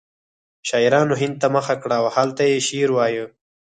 شاعرانو هند ته مخه کړه او هلته یې شعر وایه